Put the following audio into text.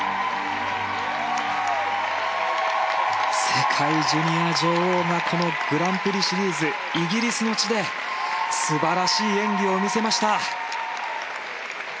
世界ジュニア女王がこのグランプリシリーズイギリスの地で素晴らしい演技を見せました。